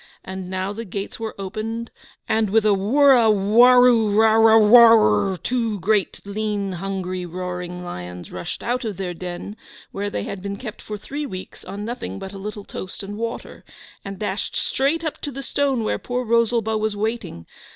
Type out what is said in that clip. And now the gates were opened, and with a wurrawarrurawarar two great lean, hungry, roaring lions rushed out of their den, where they had been kept for three weeks on nothing but a little toast and water, and dashed straight up to the stone where poor Rosalba was waiting.